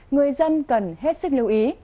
người dân cần hết sức lưu ý